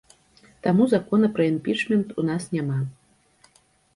Таму закона пра імпічмент у нас няма.